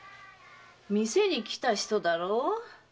店に来た人だろう？